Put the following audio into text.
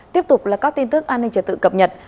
tiếp tục là các tin tức an ninh trật tự cập nhật